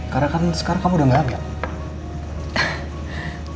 karena kan sekarang kamu sudah berusia berusia berusia